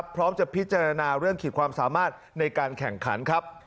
พร้อมจะพิจารณาเรื่องขีดความสามารถในการแข่งขันครับ